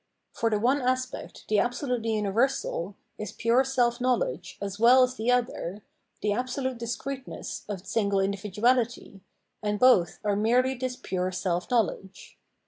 For the one aspect, the absolutely universal, is pure self knowledge as well as the other, the absolute discreteness of single individuality, and both are merely this pure self knowledge.